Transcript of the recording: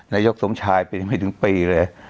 นายกสมชายเป็นไม่ถึงปีเลย